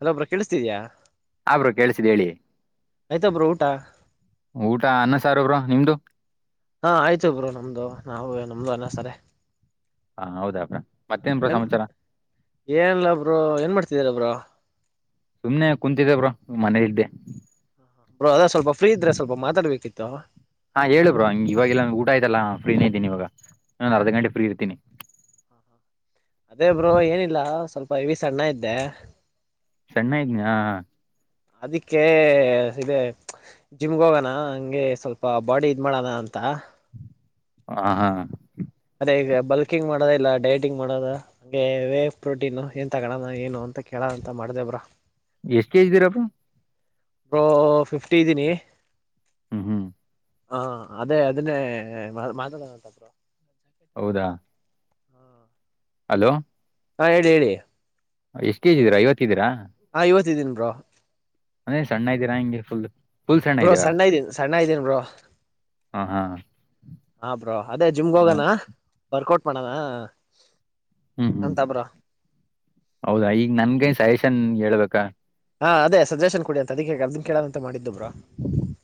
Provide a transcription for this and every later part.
Hello bro ಕೇಳಿಸ್ತಿದಿಯ ಕೇಳಿಸ್ತಿದೆ ಹೇಳಿ ಆಯ್ತ ಬ್ರೋ ಊಟ ಊಟ ಅನ್ನ ಸಾರು ಬ್ರೋ ನಿಮ್ದು ಹಾ ಆಯ್ತು ಬ್ರೋ ನಮ್ದು ನಮ್ದು ಅನ್ನ ಸಾರೆ ಹಾ ಹೌದಾ ಬ್ರೋ ಮತ್ತೇನ್ ಬ್ರೋ ಸಮಾಚಾರ ಏನಿಲ್ಲ ಬ್ರೋ ಏನ್ ಮಾಡ್ತಿದೀರ ಬ್ರೋ ಸುಮ್ನೆ ಕುಂತಿದ್ದೇ ಬ್ರೋ ಮನೆಯಲಿದ್ದೆ ಬ್ರೋ ಅದೆ ಸ್ವಲ್ಪ ಫ್ರೀ ಇದ್ರ ಸ್ವಲ್ಪ ಮಾತಾಡ್ಬೇಕಿತ್ತು ಹಾ ಹೇಳಿ ಬ್ರಾ ಹ ಇವವಾಗಿಲ್ಲ ಊಟ ಆಯತಲ್ಲಾ ಫ್ರೀನೇ ಇದೀನಿ ಇವಾಗ ಒಂದ ಅರ್ಧ ಗಂಟೆ ಫ್ರೀ ಇರ್ತೀನಿ [inaudible] ಅದೇ ಬ್ರೋ ಏನಿಲ್ಲ ಸ್ವಲ್ಪ ಹೆವಿ ಸಣ್ಣ ಇದ್ದೆ ಸಣ್ಣ ಇದಿಯಾ ಅದಿಕ್ಕೆ ಇದೆ ಜಿಮ್ಗೆ ಹೋಗೋಣ ಹಂಗೆ ಸ್ವಲ್ಪ ಬಾಡಿ ಇದ್ ಮಾಡಣ ಅಂತ ಹ ಹಾ ಅದೇ ಈಗ ಬಲ್ಕಿಂಗ್ ಮಾಡೋದ ಇಲ್ಲ ಡೈಟಿಂಗ್ ಮಾಡೋದ ಪ್ರೋಟೀನು ಏ ತಗೋಣ ಏನು ಅಂತ ಕೇಳ ಅಂತ ಮಾಡ್ದೇವ್ರಾ ಎಷ್ಟು ಕೆಜ್ದೀ ಇದ್ದೀರಾ ಬ್ರೋ ಒ್ರೋ ಫಿಫ್ಟಿ ಇದ್ದೀನಿ ಹ್ಮ್ ಹ್ಮ್ ಹಾ ಅದೇ ಅದನ್ನೇ ಮಾತಾಡಣಂತಬ್ರು ಹೌದಾ ಹಲೋ ಹಾ ಹೇಳಿ ಹೇಳಿ ಎಷ್ಟ್ ಕೆಜಿ ಇದ್ರ ಐವತ್ತು ಹಾ ಇವತ್ತಿದ್ದೀನ್ ಬ್ರೋ ಅದೇ ಸಣ್ಣ ಇದ್ದೀರಾ ಹಂಗೆ ಫುಲ್ ಫುಲ್ ಬ್ರೋ ಇದ್ದೀರಾ ಸಣ್ಣ ಇದ್ದೀನ ಸಣ್ಣ ಇದ್ದೇನ ಬ್ರೋ ಹಾ ಹಾ ಹಾ ಬ್ರೋ ಅದೇ ಜಿಮ್ಗೆ ಹೋಗಣ ವರ್ಕೌಟ್ ಮಾಡಣ ಹ್ಮ್ ಹ್ಮ್ ಹೌದಾ ಈಗ ನನ್ಗನ್ ಸಹೇಶನ್ ಹೇಳ್ಬೇಕಾ ಹಾ ಅದೇ ಸಜೆಷನ್ ಕುಡಿ ಅಂತ ಅದಕ್ಕೆ ಅರ್ದನ್ ಕೇಳದ ಅಂತ ಮಾಡಿದ್ದಬ್ರಾ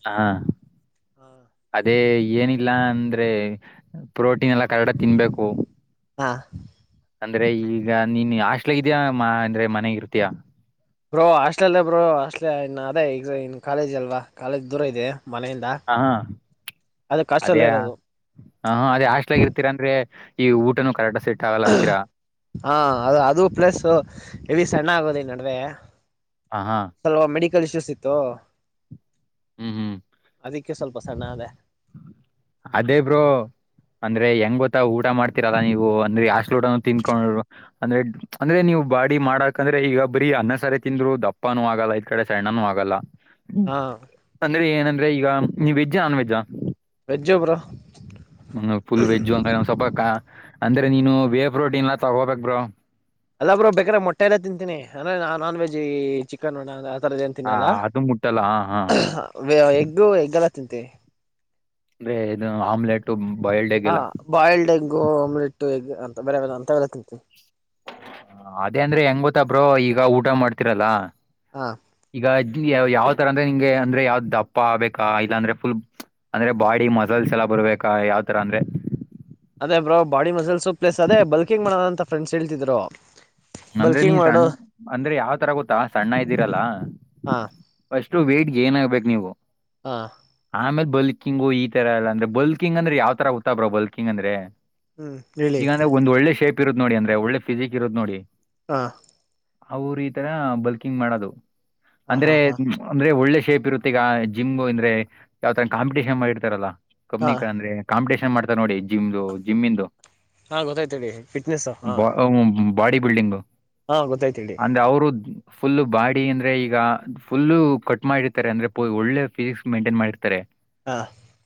ಹಾ ಅದೇ ಏನಿಲ್ಲ ಅಂದ್ರೆ ಪ್ರೋಟೀನ್ ಎಲ್ಲ ಚೀರ್ರೆಕ್ಟ್ ಆಗಿ ತಿನ್ಬೇಕು ಹಾ ಅಂದ್ರೆ ಈಗ ನೀನ್ ಆಸ್ಲಗಿದ್ಯಾ ಮಾ ಅಂದ್ರೆ ಮನೆಗಿರ್ತೀಯಾ ಬ್ರೋ ಹಾಸ್ಟ್ೇಲ್ಲ್ಲ ಬ್ರೋ ಹಾಸ್ ಅದೇ ಈಗ ಇನ್ ಕಾಲೇಜ್ ಅಲ್ವಾ ಕಾಲೇಜ್ ದೂರ ಇದೆ ಮನೆಯಿಂದ ಹಾ ಹಾ ಅದಕ್ಕೆ ಅದೇ ಹಾಸ್ಟೆಲ್ ಹ ಇರೋದು ಹಾ ಅದೇ ಹಾಸ್ಲಗ ಇರ್ತೀರ ಅಂದ್ರೆ ಈ ಊಟನು ಕರಾಟ ಹಾ ಅದು ಅದು ಪ್ಲಸ್ ಇಲ್ಲಿ ಸಣ್ಣ ಆಗೋದ ನಡುವೆ ಹ ಹಾ ಸ್ಲ್ ಮೆಡಿಕಲ್ ಇಶ್ಯೂಸ್ ಇತ್ತು ಹ್ಮ್ ಹ್ಮ್ ಅಕ್ಕೆ ಸ್ವಲ್ಪ ಸಣ್ಣ ಅದೇ ಅದೇ ಬ್ರೋ ಅಂದ್ರೆ ಹೆಂಗ್ ಗೊತ್ತ ಊಟ ಮಾಡ್ತೀರಲ್ಲ ನೀವು ಅಂದ್ರೆ ಅಷ್ಟ ಸುಡೋ ತಿನ್ಕೊಂಡರು ಅಂದ್ರೆ ಅಂದ್ರೆ ನೀವು ಬಾಡಿ ಮಾಡಕಂದ್ರೆ ಈಗ ಬರೀ ಅನ್ನ ಸರ ತಿಂದ್ರು ದಪ್ಪನೂ ಆಗಲ್ಲ ಇದ್ ಕಡೆ ಸಣ್ಣನುೂ ಆಗಲ್ಲ ಹ್ಮ ಹಾ ಅಂದ್ರೆ ಏನಂದ್ರೆ ಈಗ ನೀವಿ veg non veg veg bro [unintelligible] full veg ಸಪ ಅಂದ್ರೆ ನೀನು ಬೇ ಪ್ರೋಟೀನ್ ಎಲ್ಲಾ ತಗೋಬೇಕೇಕ್ ಬ್ರೋ ಅಲ್ಲಾಬ್ರೋ ಇ ಬೇಕ್ರೆ ಮೊಟ್ಟೆ ಎಲ್ಲ ತಿಂತೀನಿ ಅಂದ್ರ ನಾನ್ ವೆಜ್ ಚಿಕನ್ ನೋಣ ರದ ಏನ್ ಹ ತಿನ್ನಲ್ಲ ಅದು ಮುಟ್ಟಲ್ಲ ಹ ಹಾ ಎಗ್ಗು ಎಗ್ಗೆಲ್ಲ ತಿಂತ ಅಂದ್ರೆ ಇದು ಆಮ್ಲೆಟು ಹಾ ಬಾಯ್ಲ್ಡ್ ಹೆಂಗು ಅಮ್ಲಿಟ್ಟು ಹೆ ಅಂತ ಬೇರೆ ಅಂತಲ್ಲ ತಿಂತೀವಿ ಅದೇ ಅಂದ್ರೆ ಹೆಂಗ ಗೊತ್ತಬ್ರೋ ಈಗ ಊಟ ಮಾಡ್ತಿರಲ್ಲ ಹಾ ಈಗ ಇದ್ದ ಯಾವ್ ತರ ಅಂದ್ರೆ ನಿಂಗೆ ಅ್ರೆ ಯಾವ್ದ ದಪ್ಪ ಆಗ್ಬೇಕಾ ಇಲ್ಲಾಂದ್ರೆ ಫುಲ್ ಅಂದ್ರೆ ಬಾಡಿ ಮಸಲ್ಸ್ ಎಲ್ಲ ಬರು ಬಾ ಯಾವ್ ತರ ಅಂದ್ರೆ ಅದೇ ಬ್ರೋ ಬಾಡಿ ಮಸಲ್ಸ್ ಪ್ಲಸ್ ಅದೇ ಬಲ್ಕಿಂಗ್ ಮಾಡೋದ ಅಂತ ಫ್ರೆಂಡ್ಸ್ ಹೇಳ್ತಿದ್ರು ಅಂದ್ರೆ ನೀ ಬಲ್ಕಿಂಗ್ ಮಾಡು ಸಣ್ಣ ಅಂದ್ರೆ ಯಾವ್ ತರ ಗೊತ್ತಾ ಸಣ್ಣ ಇದ್ದೀರಲ್ಲ ಹಾ ಅಷ್ಟು ವೇಟ್ ಗೈನ್ ಆಗ್ಬೇಕು ನೀವು. ಹಾ. ಆಮೇಲೆ ಬಕಿಂಗ್ ಈ ತರ ಎಲ್ಲ ಅಂದ್ರ ಬಕಿಂಗ್ ಅಂದ್ರೆ ಯಾವ ತರ ಹತ್ತಾ ಬ್ರೋ ಬಕಿಂಗ್ ಅಂದ್ರೆ. ಹ್ಮ್ ಹೇಳಿ ಈಗ ಅಂದ್ರೆ ಒಂದ್ ಒಳ್ಳೆ ಶೇಪ್ ಇರುತ್ತತ್ ನೋಡಿ ಅಂದ್ರೆ ಒಳ್ಳೆ ಫಿಸಿಿಕ್ ಇರುತ್ತತ್ ನೋಡಿ ಹ ಅವರು ಈ ತರ ಬಲ್ಕಿಂಗ್ ಮಾಡೋದು ಹಾ ಹಾ ಅಂದ್ರೆ ಹಾ ಅಂದ್ರೆ ಒಳ್ಳೆ ಶೇಪ್ ಇರುತ್ತ ಈಗ ಜಿಮ್ ಅಂದ್ರೆ ಯಾವ ತರ ಕಾಂಪಿಟೇಷನ್ ಮಾಡಿರ್ತಾರಲ್ಲ ಹಾ ಕಬ್ನಿ ಅಂದ್ರೆ ಕಾಂಟನ್ ಮಾಡ್ತಾರೆ ನೋಡಿ ಜಿಮ್ ಜಿಮ್ ಇಂದು ಹಾ ಗೊತ್ತಾಯ್ತಿ ಫಿಟ್ನೆಸ್ ಹಾ ಬಾಡಿ ಬಿಲ್ಡಿಂಗ್ ಹಾ ಗೊತ್ತಾಯ್ತಿ ಫುಲ್ ಬಾಡಿ ಅಂದ್ರೆ ಈಗ ಫುಲ್ಲು ಕಟ್ ಮಾಡಿರ್ತಾರೆ ಅಂದ್ರೆ ಒಳ್ಳೆ ಫಿಸಿಕ್ಸ್ ಮೈಂಟೈನ್ ಮಾಡಿರ್ತಾರೆ ಹಾ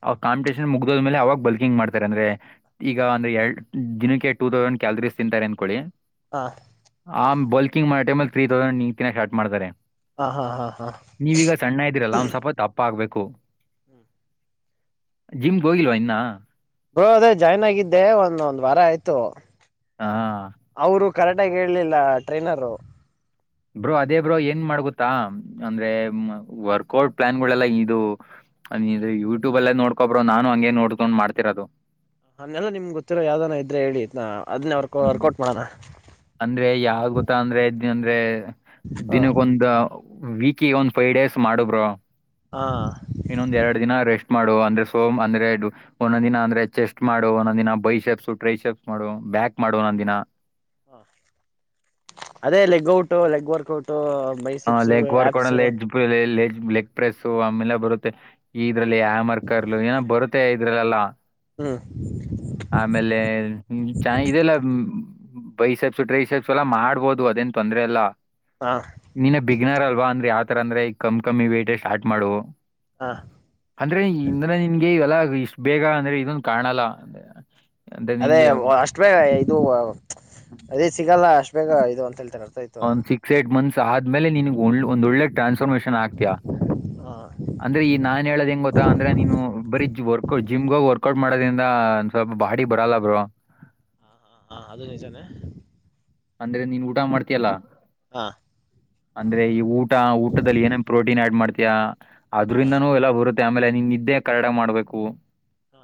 ಅವ್ರ್ ಕಾಂಪಿಟಿಷ ಜಿಮ್ ಮುಗ್ದೋದ್ಮೇಲೆ ಅವಾಗ ಬಲ್ಕಿಂಗ್ ಮಾಡತಾರೆ ಅಂದ್ರೆ ಈಗ ಒಂದ್ ಎಡ್ ದಿನಕ್ಕೆ ಟೂ ಥೋಕ್ಸ್ಯಾಂಡ್ ಕ್ಯಾಲರೀಸ್ ತಿಂತಾರ ಅಂದಕೊಳ್ಳಿ. ಹಾ. ಆ ಬಲ್ಕಿಂಗ್ ಮಾಡೋ ಟೈಮ್ ಅಲ್ಲಿ ಥ್ರೀ ತೌಂಡ್ [unintelligible] ಕಟ್ ಮಾಡ್ತಾರೆ. ಹಾ ಹಾ ಹಾ ಹಾ ನೀವ್ ಈಗ ಸಣ್ಣ ಇದ್ದೀರಲ್ಲ ಒಂದ್ ಸ್ವಲ್ಪ ದಪ್ಪ ಆಗ್ಬೇಕು. ಜಿಮ್ ಹೋಗಿಲ್ವಾ ಇನ್ನ. ಗೋ ಅದೇ ಜಾಯ್ನ್ ಆಗಿದ್ದೆ ಒಂದ ಒಂದ್ ವಾರ ಆಯ್ತು ಹಾ ಅವರು ಕರೆಕ್ಟ್ ಆಗಿ ಹೇಳಲಿಲ್ಲ ಟ್ರೈನರ್. ಬ್ರೋ ಅದೇ ಬ್ರೋ ಏನ್ ಮಾಡ್ಕೊತ್ತಾ ಅಂದ್ರೆ ಹ್ಮ್ಮ್ ವರ್ಕೌಟ್ ಪ್ಲಾನ್ಗಳೆಲ್ಲಾ ಇದು. ನೀ ಯೂಟ್ಯೂಬ್ ಅಲ್ಲೇ ನೋಡ್ಕೊಬ್ರೋ ನಾನು ಹಂಗೆ ನೋಡ್ಕೊಂಡ್ ಮಾಡ್ತಿರೋದು. ಅವನೆಲ್ಲ ನಿಮ್ ಗೊತ್ತಿರೋ ಯಾವ್ದಾನ ಇದ್ರೆ ಹೇಳಿ ಅದನ್ನೇ ವರ್ ಹ್ಮ್. ವರ್ಕೌಟ್ ಮಾಡೋಣ. ಅಂದ್ರೆ ಯಾವ್ ಗೊತ್ತಾ ಅಂದ್ರೆ ಇದ ಅಂದ್ರೆ ಹಾ ದಿನಕ್ಕೊಂದ್ ವಿಕಿ ಒಂದ್ ಫೈವ್ ಡೇಸ್ ಮಾಡು ಬ್ರೋ. ಹಾ. ಇನ್ನೊಂದ್ ಎರಡು ದಿನ ರೆಸ್ಟ್ ಮಾಡು ಅಂದ್ರೆ ಸೋಮ್ ಅಂದ್ರೆ ಒಂದೊಂದ ದಿನ ಅಂದ್ರೆ ಚೆಸ್ಟ್ ಮಾಡು ಒಂದ ದಿನ ಬೈ [unintelligible] ಟ್ರೈ ಶಪ್ಸ್ ಮಾಡು ಬ್ಯಾಕ್ ಮಾಡು ಒಂದೊಂದ್ ದಿನ ಹ ಅದೇ ಲೆಗ್ ಔಟ್ ಲೆಗ್ ವರ್ಕ್ಔಟು. ಹ ಲೈಕ್ ವರ್ಕೌಟ್ ಲೀಜ್ ಬೆ ಲೀಜ್ ಲೆಗ್ ಪ್ರೆಸ್ಸು ಆಮೇಲೆ ಬರುತ್ತೆ ಇದ್ರಲ್ಲಿ ಹ್ಯಾಮರ್ ಕರ್ಲು ಏನ ಬರುತ್ತೆ ಇದ್ರಲ್ಲೆಲ್ಲಾ. ಆಮೇಲೆ ಚನಾಗ್ ಇದೆಲ್ಲ ಹ್ಮ್ಮ್ ಬೈಸೆಬ್ಸು ಟ್ರೆ ಈಸೆಬ್ಸ ಎಲ್ಲಾ ಮಾಡ್ಬೋದು ಅದೇನ್ ತೊಂದ್ರೆ ಇಲ್ಲಾ. ಹಾ. ನಿನ್ನ ಬಿಗ್ನರ್ ಅಲ್ವಾ ಅಂದ್ರೆ ಯಾವತರ ಅಂದ್ರೆ ಈಗ ಕಾಮ್ ಕಮ್ಮಿ ವೆಯಿಟ್ಟ್ ಸಸ್ಟಾರ್ಟ್ ಮಾಡು. ಹಾ ಅಂದ್ರೆ ಇಂದನ ನಿನ್ಗೆ ಇವೆಲ್ಲ ಇಷ್ಟ್ ಬೇಗ ಅಂದ್ರೆ ಇದೊನ್ ಕಾಣಲ್ಲ ಅಂದ್ರೆ. ಅದೇ ನಿನ್ಗೆ ಅಷ್ಟ ಬೇಗ ಇದು ಅದೇ ಸಿಗಲ್ಲ ಅಷ್ಟ ಬೇಗ ಇದು ಅಂತ ಹೇಳ್ತಾರ. ಒಂದ್ ಸಿಕ್ಸ್ ಏ್ಟಟ್ ಮಂತ್ಸ್ ಆದ್ಮೇಲೆ ನಿನಗೆ ಒಂದ್ ಒಳ್ಳೆ ಟ್ರಾನ್ಸ್ಫಾರ್ಮೇಶನ್ ಆಗ್ತಯಾ. ಹಾ ಅಂದ್ರೆ ಈ ನಾನ್ ಹೇಳ್ದ ಗೊತ್ತ ಅಂದ್ರೆ ನೀನು ಬರೀ ಜಿ ವರ್ಕಟ್ ಜಿಮ್ಗೆ ವರ್ಕೌಟ್ ಮಾಡೋದ್ರಿಂದ ಒಂದ ಸ್ವಲ್ಪ ಬಾಡಿ ಬರಲ್ಲ ಬ್ರೋ. ಹಾ ಹಾ ಹಾ ಅದು ನಿಜಾನೇ. ಅಂದ್ರೆ ನೀನ್ ಊಟ ಮಾಡ್ತಯಲ್ಲಾ. ಹಾ ಅಂದ್ರೆ ಈ ಊಟ ಊಟದಲ್ಲಿ ಏನೇನ್ ಪ್ರೋಟೀನ್ ಆಡ್ ಮಾಡ್ತೀಯಾ. ಹಾ ಅದ್ರಿಂದನೂ ಎಲ್ಲ ಬರುತ್ತೆ ಆಮೇಲೆ ನೀನ್ ನಿದ್ದೆ ಕರ್ರೆಟಾಗಿ ಮಾಡ್ಬೇಕು. ಹಾ.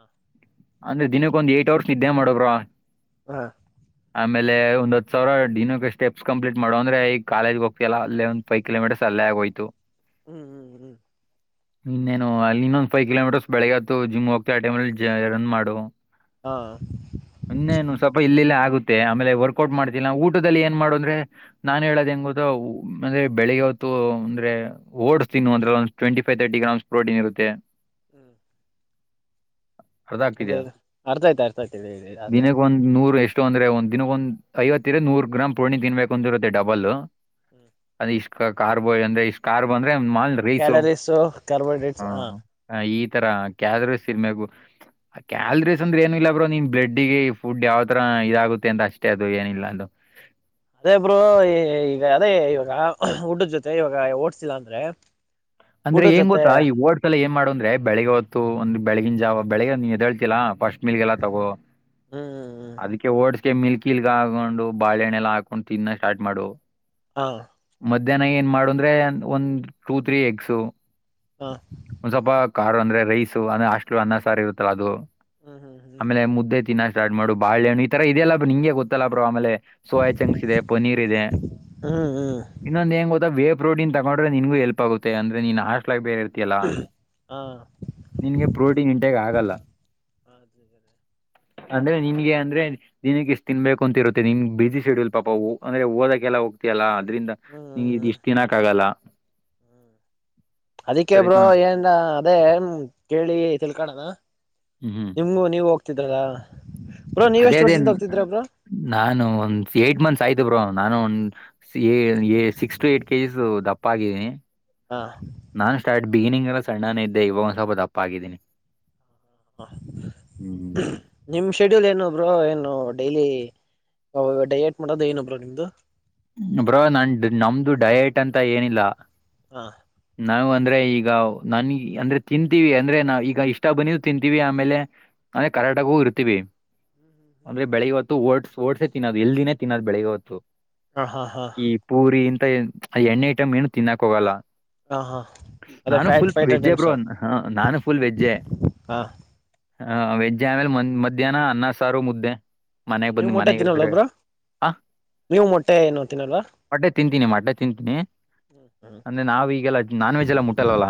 ಅಂದ್ರೆ ದಿನಕ್ಕ ಒಂದ್ ಏಟ್ ಅವರ್ಸ್ ನಿದ್ದೆ ಮಾಡು ಬ್ರೋ. ಹಾ. ಆಮೇಲೆ ಒಂದ್ ಸಾವ್ರ ಡಿನಾಬೆ ಸ್ಟೆಪ್ ಕಂಪ್ಲೀಟ್ ಮಾಡು ಅಂದ್ರೆ ಈ ಕಾಲೇಜ್ ಹೋಗ್ತಿಯಲ್ಲ ಅ ಒಂದ್ ಪೈ ಕಿಲೋಮೀರ್ ಅಲ್ಲೇ ಆಗೋಯ್ತು ಹ್ಮ್ ಹ್ಮ್ ಹ್ಮ್ ಇನ್ನೇನು ಅಲ್ಲಿ ಇನ್ನೊಂದ್ ಫೈವ್ ಕಿಲೋಮೀಟರ್ಸ್ ಬೆಳಗ್ಗೆ ಆತ್ತುು ಜಿಮ್ಗೆ ಹೋಗ್ತ್ಯ ಆ ಟೈಮ್ಲ್ಲಿ ಜ ರನ್ ಮಾಡು ಹಾ ಇನ್ನೇನು ಸ್ವಲ್ಪ ಇಲ್ಲಿಲ್ಲೆ ಆಗುತ್ತೆ ಆಮೇಲೆ ವರ್ಕೌಟ್ ಮಾಡ ಇಲ್ಲ ಊಟದಲ್ಲಿ ಏನ್ ಮಾಡ ಅಂದ್ರೆ ನನ್ ಹೇಳದ್ ಏನ್ ಗೊತ್ತ ಹ್ಮ್ ಅಂದ್ರೆ ಬೆಳಿಗ್ಗೆ ಹೊತ್ತು ಅಂದ್ರೆ ಓಟ್ಸ್ ತಿನ್ನು ಅಂದ್ರ ಒಂದ್ ಟ್ವೆಟಿ ಫೈ್ ತರ್ಟಿ ಗಾಮ್ಸ್ ಪ್ರೊಟೀನ್ ಇರುತ್ತೆ. ಹ್ಮ್. ಅರ್ಧ ಅದೇ ಹಾಕ್ತಿದ್ಯಾ ಅರ್ಥ ಆಯ್ತು ಅರ್ಥ ಆಯ್ತು ಹೇಳಿ ಅದೇ ದಿನಕ್ಕೆ ಒಂದ್ ನೂರು ಎಷ್ ಷ್ಟ ಅಂದ್ರೆ ಒಂದ ದಿನಕ್ಕ ಒಂದ್ ಐವತ್ತರ ನೂರು ಗ್ರಾಮ್ ಪೋರ್ಣಿ ತಿನ್ಬೇಕು ಅಂದಿರುತ್ತೆ ಡಬಲ್. ಹ್ಮ್. ಅದು ಇಷ್ಟ ಕಾರ್ಬೋ ಅಂದ್ರೆ ಇಷ್ಟ ಕಾರ್ಬೋ ಅಂದ್ರೆ ಮಾಲ್ ರೈಸ್ಹು ಕ್ಯಾಲರೀಸು ಕಾರ್ಬೋಹೈಡ್ರೇಟ್ಸ್ ಹ. ತರ ಕ್ಯಾಲರೀಸ್ ತಿನ್ಬೇಕು ಕ್ಯಾಲರೀಸ್ ಅಂದ್ರೆ ಏನ್ ಇಲ್ಲ ಬ್ರೋ ನೀನ್ ಬ್ಲಡ್ಗೆ ಫುಡ್ ಯಾವ್ತರ ಹ ಇದಾಗುತ್ತೆ ಅಂತ ಅಷ್ಟೇ ಅದು ಏನಿಲ್ಲ ಅದು. ಅದೇ ಬ್ರೋ ಈ ಈಗ ಅದೇ ಇವಾಗ ಉಟಾಡ್ ಜೊತೆ ಇವಾಗ ಓಡ್ಸಿಲ್ಲ ಅಂದ್ರೆ. ಅಂದ್ರೆ ಊಟದ ಏನ್ ಜೊತೆ ಗೊತ್ತಾ ಈ ಓಡ್ಸಲ ಏನ್ ಮಾಡು ಅಂದ್ರೆ ಬೆಳಿಗ್ಗೆವತ್ತು ಒಂದ ಬೆಳಗಿನ ಜಾವ ಬೆಳಿಗ್ ನೀ ಎದೇಳ್ತಿಲ್ಲಾ ಫಸ್ಟ್ ಮಿಲ್ಗೆಲ್ಲ ತಗೋ ಹ್ಮ್ ಹ್ಮ್ ಅದಕ್ಕೆ ಓಡ್ ಮತ್ತೆ ಮಿಲ್ಕಿಲ್ ಹಾಕೊಂಡು ಬಾಳಹಣ್ಣೆ ಎಲ್ಲ ಹಾಕೊಂಡು ತಿಿಂದನ್ನ ಸ್ಟಾರ್ಟ್ ಮಾಡು ಹಾ ಮಧ್ಯಾಹ್ನ ಏನ್ ಮಾಡು ಅಂದ್ರೆ ಒಂದು ಟೂ ತ್ರೀ ಎಕ್ಸ್ ಹಾ ಒಂದ್ ಸ್ವಲ್ಪ ಕಾರ್ಡು ಅಂದ್ರೆ ರೈಸ್ ಅಂದ್ರೆ ಹಸ್ಟ್ಲು ಅನ್ನ ಸಾರಿ ಇರುತ್ತಲ್ಲ ಅದು ಹ್ಮ್ ಹ್ಮ್ ಹ್ಮ್ ಆಮೇಲೆ ಮುದ್ದೆ ತಿನ್ನಾ ಸ್ಟಾರ್ಟ್ ಮಾಡು ಬಾಳೆಹಣ್ಣು ಈ ತರ ಇದೆಲ್ಲ ನಿಂಗೆ ಗೊತ್ತಲ್ಲ ಬ್ರೋ ಆಮೇಲೆ ಸೋಯ ಚಂಗಕ್ಸ್ ಇದೆ ಪನೀರ್ ಇದೆ ಹ್ಮ್ ಹ್ಮ್ ಇನ್ನೊಂದೆ ಹೆಂಗ ಗೊತ್ತ ವೇ ಪ್ರೋಡಿನ್ ತಗೊಂಡ್ರೆನ್ಗೂ ಹೆಲ್ಪ್ ಆಗುತ್ತೆಂದ್ರೆ ನೀ ಹಸ್ಟ್ಲ್ಗ ಬೇರೆ ತೆಲ ಹಾ ನಿನ್ಗೆ ಪ್ರೋಟೀನ್ ಇಂಟಾಗ ಆಗಲ್ಲ ಅದುಗರೆ ಅಂದ್ರೆ ನಿನ್ಗೆ ಅಂದ್ರೆ ದಿನಕ್ಕೆ ಇಷ್ಟ ತಿನ್ಬೇಕು ಅಂತ ಇರುತ್ತೆ ನಿಮ್ಗೆ ಬಿಸಿ ಶೆಡ್ಯೂಲ್ ಪಾಪಾವು ಅಂದ್ರೆ ಓದಕ್ಕೆಲ್ಲೋಗ ಅಲ್ಲ ಅದ್ರಿಂದ ನಿ ಇದ ಹ್ಮ್ ಇಷ್ಟ್ ದಿನಾಕ್ಕ ಆಗಲ್ಲ ಹ್ಮ್ ಅದಿಕ್ಕೆಬ್ರೋ ಸರಿನಾ ಏನ್ ಅದೇ ಕೇಳಿ ತಿಳ್ಕಣ ಹ್ಮ್ ಹ್ಮ್ ನಿಮ್ಗೂ ನೀವು ಹೋಗ್ತಿದ್ರಲ್ಲ ಬ್ರೋ ನೀವ್ ಅದೇ ಎಷ್ಟು ಅದೇ ವರ್ಷದಿಂದ ಹೋಗ್ತಿದ್ರ ಬ್ರೋ ನಾನು ಒಂದ ಏಟ್ ಮಂತ್ಸ್ ಆಯ್ತು ಬ್ರೋ ನಾನು ಒ ಸಿ ಎ ಎ ಸಿಕ್ಸ್ ಟು ಏಟ್ ಕೆಜಸ್ ದಪ್ಪ ಆಗಿದೀನಿ ಹಾ ಬಿಗಿನಿಂಗ್ ಆಗ ಸಣ್ಣನೇ ಇದ್ದೆ ಇವಾಗ ಒಂದ್ ಸ್ವಲ್ಪ ದಪ್ಪ ಆಗಿದ್ದೀನಿ ಹ ಹ್ಮ್ ನಿಮ್ ಶೆಡ್ಯೂಲ್ ಏನು ಬ್ರೋ ಏನು ಡೈಲಿ ಡಯಟ್ ಮಾಡೋದು ಏನು ಬ್ರೋ ನಿಮ್ದ ಬ್ರೋ ನನ್ಡು ನಮ್ದು ಡಯಟ್ ಅಂತ ಏನಿಲ್ಲ ಹಾ ನಾವ ಅಂದ್ರೆ ಈಗ ನನಿಗೆ ಅಂದ್ರೆ ತಿಂತೀವಿ ಅಂದ್ರೆ ನಾ ಈಗ ಇಷ್ಟ ಬನ್ನಿದ ತಿಂತೀವಿ ಆಮೇಲೆಂದೆ ಕರೆಕ್ಟಾಗು ಇರ್ತೀವಿ ಅಂದ್ರೆ ಬೆಳಗ್ಗೆ ಹೊತ್ತು ಓಡ್ ಓಡ್ಸೆ ತಿನ್ನೋದು ಎಲ್ ದಿನೇ ತಿನ್ನೋದ್ ಬೆಳಿಗ್ಗೆ ಹೊತ್ತು ಹಾ ಹಾ ಹಾ ಈ ಪೂರಿ ಇಂತ ಆ ಎಣ್ಣೆ ಐಟಮ್ ಏನು ತಿನ್ನಕ್ ಹೋಗಲ್ಲ ಹ ಹಾ ಅದೇ ನಾನು ಫ್ಯಾಟ್ ಫುಲ್ ಫ್ಯಾಟ್ ವೆಜ್ಜೆ ಐಟಮ್ಸ್ ಬ್ರೋ ಹ ನಾನು ಫುಲ್ ವೆಜ್ಜೆ ಹಾ ಹ ವೆಜ್ಜೆ ಆಮೇಲೆ ಮನ್ ಮಧ್ಯಾಹ್ನ ಅನ್ನ ಸಾರು ಮುದ್ದೆ ಮನೆಗ ನೀವು ಬಂದ ಮೊಟ್ಟೆ ತಿನ್ನಲ್ವ ಮನೆಗಿದ್ರೆ ಬ್ರೋ ಆ ನೀವು ಮೊಟ್ಟೆ ಏನು ತಿನ್ನಲ್ವಾ ಮಟ್ಟೆ ತಿಂತೀನಿ ಮಟ್ಟೆ ತಿಂತೀನಿ ಹ್ಮ್ ಅಂದ್ರೆ ನಾವ್ ಈಗೆಲ್ಲ ನಾನ್ ವೆಜ್ ಎಲ್ಲ ಮುಟ್ಟಲ್ವಲ್ಲ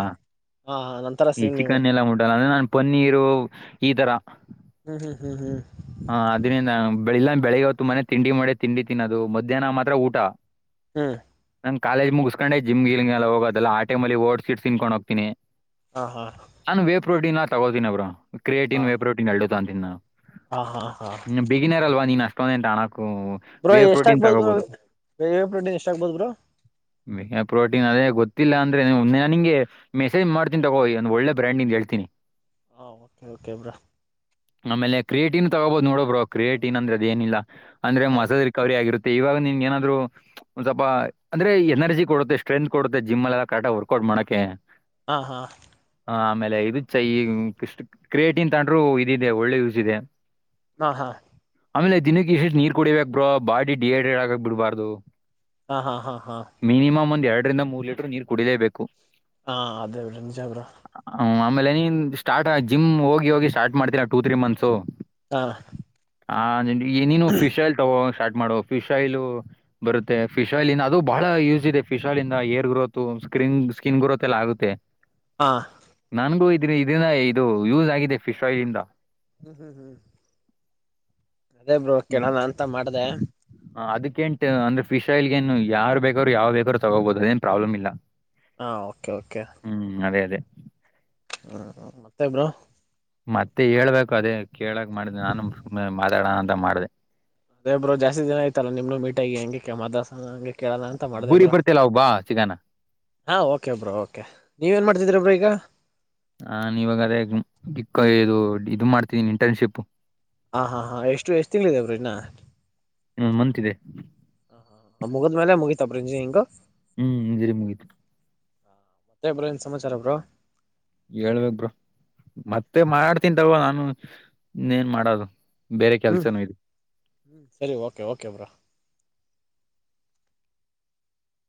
ಹಾ ನಂತರ ಈ ಸೇಮ್ ನೀವು ಚಿಕನ್ ಎಲ್ಲ ಮುಟ್ಟಲ್ಲ ಅಂದ್ರೆ ನನ್ ಪನ್ನೀರು ಈ ತರ ಹ್ಮ್ ಹ್ಮ್ ಹ್ಮ್ ಹ್ಮ್ ಹಾ ಅದ್ರಿಂದ ಬೆಳಲ್ಲ ಬೆಳಿಗ್ಗೆ ಹೊತ್ತು ಮನೆ ತಿಂಡಿ ಮಾಡೆ ತಿಂಡಿ ತಿನ್ನೋದು ಮಧ್ಯಾಹ್ನ ಮಾತ್ರ ಊಟ ಹ್ಮ್ ನಾನು ಕಾಲೇಜ್ ಮುಗಿಸಕೊಂಡೆ ಜಿಮ್ ಗೀಲಿಂಗೆಲ್ಲ ಹೋಗದೆಲ್ಲ ಆ ಟೈಮಲ್ಲಿ ಓಡ್ಸಿಟ್ ತಿನ್ಕೊಂಡು ಹೋಗ್ತೀನಿ ಹಾ ಹಾ ನಾನು ವೇ ಪ್ರೋಟೀನ್ ತಗೋತಿನಿ ಬ್ರೋ ಕ್ರಿಯೇಟಿನ್ ಹಾ ವೇ ಪ್ರೋಟೀನ್ ಎರಡ ತಗೋಂತಿನಿ ನಾನು ಹಾ ಹಾ ಹಾ ಹ್ಮ್ ಬಿಗಿನೇಾರಲ್ವಾ ನೀನ್ ಅಷ್ಟೊಂದ ಎಂಟಾಣ ಕೋವಾ ಬ್ರೋ ವೇವ್ ಪ್ರೋಟೀನ್ ಎಷ್ಟಾಗಗ್ಬೋದು ಬ್ರೋ ತಗೋಬೋದು ವೇ ಪ್ರೋಟೀನ್ ಎಷ್ಟಾಗಗ್ಬೋದು ಬ್ರೋ ವೆಹೆ ಪ್ರೋಟೀನ್ ಅದೇ ಗೊತ್ತಿಲ್ಲ ಅಂತ ಂದ್ರೆ ನನ್ ನಿಂಗೆ ಮೆಸೇಜ್ ಮಾಡ್ತೀ ತಗೋ ಒಂದ್ ಒಳ್ಳೆ ಬ್ರ್ಯಾಂಡ್ ಇ ಹೇಳ್ತೀನಿ ಹಾ ಓಕೆ ಓಕೆ ಬ್ರೋ ಆಮೇಲೆ ಕ್ರಿಯೇಟನ್ ತಗೋಬಹೋ ನೋಡೋಬ್ರೋ ಕ್ರಿಯೇಟಿನ್ ಅಂದ್ರೆದ ಏನಿಲ್ಲ ಅಂದ್ರೆ ಹಾ ಮಸದ ರಿಕವರಿ ಆಗಿರುತ್ತೆ ಇವಾಗ ನಿಂಗೆ ಏನಾದ್ರು ಒಂದ್ ಸ್ವಲ್ಪ ಅಂದ್ರೆ ಎನರ್ಜಿ ಕೊಡುತ್ತೆ ಸ್ಟ್ರೆಂತ್ ಕೊಡುತ್ತೆ ಜಿಮ್ಮಲೆಲ್ಲ ಕರೆಕ್ಟಾಗಿ ವರ್ಕ್ಔಟ್ ಮಾಡಕೆ ಹಾ ಹಾ ಆಮೇಲೆ ಇದ ಚೈ ಕಷ್ಟ ಕ್ರಿಯೇಟಿನ್ ತಗೊಂಡರು ಇದದೆ ಒಳ್ಳೆ ಯೂಸ್ ಇದೆ ಹಾ ಹಾ ಆಮೇಲೆ ದಿನಕ್ಕೆ ಎಷ್ಟು ನೀರ್ ಕುಡಿಬೇಕ್ ಬ್ರೋ ಬಾಡಿ ಡಿಹೈಡ್ರೇಟ್ ಆಗಕ್ ಬಿಡಬಾರದು ಹಾ ಹಾ ಹಾ ಹಾ ಎರಡ ರಿಂದ ಮೂರು ಲೀಟರ್ ನೀರ್ ಕುಡಿಲೇಬೇಕು ಹಾ ಅದೇ ಬಿಡ ನಿಜ ಬ್ರೋ ಆ, ಆಮೇಲೆ ನೀನ್ ಸ್ಟಾರ್ಟ್ ಜಿಮ್ ಹೋಗಿ ಹೋಗಿ ಸ್ಟಾರ್ಟ್ ಮಾಡ್ತೀರಾ ಟು ತ್ರೀ ಮಂತ್ಸ್ ಹಾ ಹಾ ನಿನ್ ಏನನು ಪಿಶಲ್ಟ್ ಮಾಡ ಫಿಶ್ ಆಯಲ್ಲು ಬರುತ್ತೆ ಫಿಶ್ ಆಯಲ್ ಇಂದ ಅದು ಬಹಳ ಯೂಸ್ ಇದೆ ಫಿಶ್ ಆಯಿಲ್ ಆಯಿಂದ ಹೇರ್ ಗ್ರೋತ್ ಕ್ರಿನ್ ಸ್ಕಿನ್ ಗ್ರೋತ್ ಎಲ್ಲ ಆಗುತ್ತೆ ಹಾ ನನ್ಗೂ ಇದಿ ಇದ್ರಿಂದ ಇದು ಯೂಸ್ ಆಗಿದೆ ಫಿಶ್ ಆಯಿಲ್ಂದ ಹ್ಮ್ ಹ್ಮ್ ಹ್ಮ್ ಅದೇ ಬ್ರೋ ಕೆಳನ ಅಂತ ಮಾಡದೇ ಕೆಂಟ್ ಅಂದ್ರೆ ಫಿಶ್ ಆಯಿಲ್ ಏನ್ ಯಾರ ಬೇಕೋರು ಯಾವ ಬೇಕಾದ್ ತಗೋಬಹುದು ಅದೇನು ಪ್ರಾಬ್ಲಮ್ ಇಲ್ಲ. ಹಾ ಓಕೆ ಓಕೆ ಹ್ಮ್ ಅದೇ ಅದೇ ಹ್ಮ ಮತ್ತೆ ಬ್ರೋ ಮತ್ತೆ ಹೇಳ್ಬೇಕು ಅದೇ ಕೇಳಕ್ ಮಾಡಿದೆ ನಾನು ಸುಮ್ಮನೆ ಮಾತಾಡಣ ಅಂತ ಮಾಡದೇ ಅದೇ ಬ್ರೋ ಜಾಸ್ತಿ ದಿನ ಆಯತಲ್ಲ ನಿಮನು ಮೀಟ್ ಆಗಿ ಹಂಗ ಕೆ ಮಾತದಡಸನ್ ಹಂಗೆ ಕೇಳೋಣ ಅಂತ ಮಾಡ್ದೆ ಊರಿಗ್ ಬ್ರೋ ಬರ್ತಿಯಲ್ಲ ಅವಾಗ ಬಾ ಸಿಗಣ ಹಾ ಓಕೆ ಬ್ರೋ ಓಕೆ ನೀವೇಏನ್ ಮಾಡ್ತಿದೀರಾ ಬ್ರೋ ಬ್ರ ಈಗ ಹಾ ನೀವಾಗ ಅದೇಕ್ಕ ಇದು ಇದು ಮಾಡ್ತಿದೀನಿ ಇಂಟರ್ನ್ಶಿಪ್ ಹ ಹಾ ಹಾ ಎಷ್ಟು ಎಷ್ಟು ತಿಂಗಳು ಇದೆ ಬ್ರೋ ಇನ್ ಹ್ಮ ಮಂತಿದೆ ಹ ಮುಗುದ್ಮೇಲೆ ಮುಗಿತ ಬ್ರಿಂಜಿಯಿಂಗು ಹ್ಮ್ ಇಂಜರಿ ಮುಗಿತು ಮತ್ತೆ ಬ್ರೋ ಏನ್ ಸಮಾಚಾರ ಬ್ರೋ ಹೇಳ್ಬೇಕ್ ಬ್ರೋ ಮತ್ತೆ ಮಾಡ್ತನ್ ತಗೊ ನಾನು ಇನ್ನೇನ್ ಮಾಡದು ಹ್ಮ್ ಸರಿ ಓಕೆ ಓಕೆ ಬ್ರೋ